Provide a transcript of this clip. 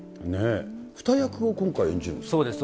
２役を今回演じるんですか。